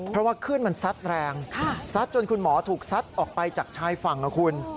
เพราะว่าขึ้นมันซัดแรงซัดจนคุณหมอถูกซัดออกไปจากชายฝั่งนะคุณ